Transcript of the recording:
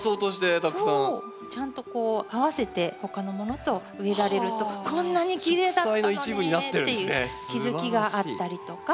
ちゃんとこう合わせて他のものと植えられるとこんなにきれいだったのねっていう気付きがあったりとか。